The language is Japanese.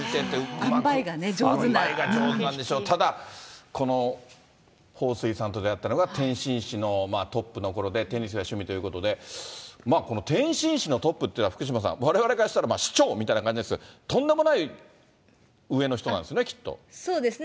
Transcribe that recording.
あんばいが上手なんでしょう、ただ、この彭帥さんと出会ったのが天津市のトップのころで、テニスが趣味ということで、この天津市のトップっていえば福島さん、われわれからしたら市長みたいな感じですよね、とんでもない上のそうですね。